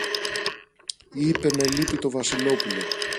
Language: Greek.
είπε με λύπη το Βασιλόπουλο.